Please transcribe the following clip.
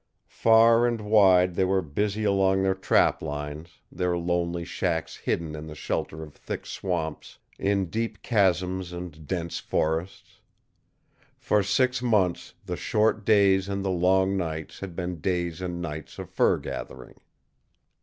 Far and wide they were busy along their trap lines, their lonely shacks hidden in the shelter of thick swamps, in deep chasms and dense forests. For six months the short days and the long nights had been days and nights of fur gathering.